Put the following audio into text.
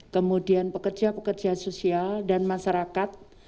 kemudian pekerja pekerja sosial dan masyarakat